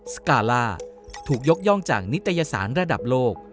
สกาล่าถูกยกย่องจากนิตยสารระดับโลก